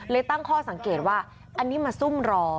ตั้งข้อสังเกตว่าอันนี้มาซุ่มรอ